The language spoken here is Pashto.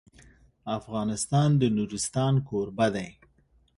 افغانستان د نورستان کوربه دی.